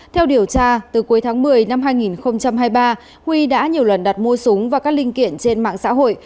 theo điều tra từ cuối tháng một mươi năm hai nghìn hai mươi ba huy đã nhiều lần đặt mua súng và các linh kiện trên mạng xã hội